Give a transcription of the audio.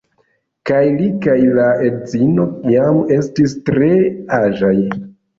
Kaj li kaj la edzino jam estis tre aĝaj.